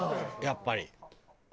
やっぱり。